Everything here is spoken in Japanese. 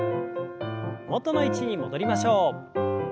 元の位置に戻りましょう。